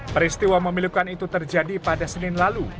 peristiwa memilukan itu terjadi pada senin lalu